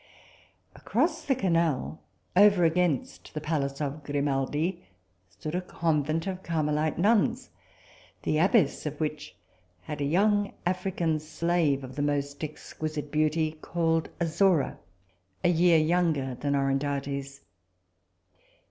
Across the canal, overagainst the palace of Grimaldi, stood a convent of Carmelite nuns, the abbess of which had a young African slave of the most exquisite beauty, called Azora, a year younger than Orondates.